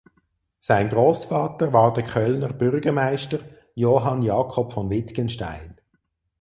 Sein Großvater war der Kölner Bürgermeister Johann Jakob von Wittgenstein.